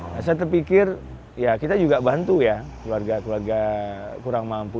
saya terpikir kita juga bantu keluarga keluarga kurang mampu